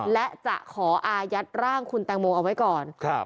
และจะขออายัดร่างคุณแตงโมเอาไว้ก่อน